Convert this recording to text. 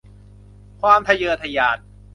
ความทะเยอทะยาน